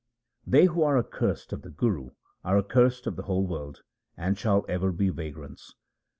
They who are accursed of the Guru are accursed of the whole world, and shall ever be vagrants.